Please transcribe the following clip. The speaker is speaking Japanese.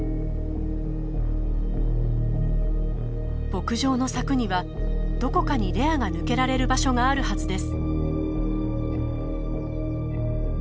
牧場の柵にはどこかにレアが抜けられる場所があるはずです。